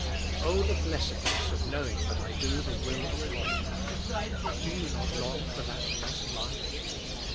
Oh, the blessedness of knowing that I do the will of God! Do you not long for that blessed life?